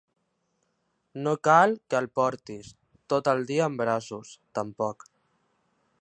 No cal que el portin tot el dia en braços, tampoc.